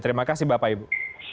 terima kasih bapak ibu